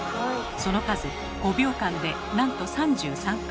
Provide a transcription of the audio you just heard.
その数５秒間でなんと３３回。